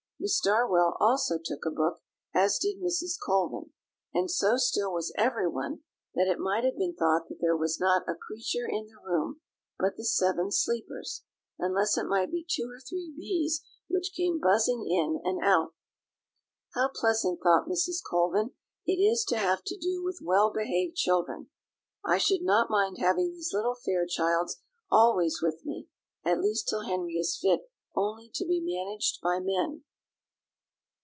Miss Darwell also took a book, as did Mrs. Colvin; and so still was everyone, that it might have been thought that there was not a creature in the room but the Seven Sleepers, unless it might be two or three bees which came buzzing in and out. "How pleasant," thought Mrs. Colvin, "it is to have to do with well behaved children! I should not mind having these little Fairchilds always with me, at least till Henry is fit only to be managed by men."